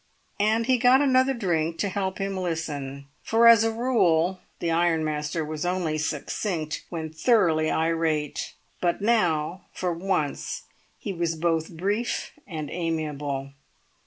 And he got another drink to help him listen; for as a rule the ironmaster was only succinct when thoroughly irate. But now for once he was both brief and amiable.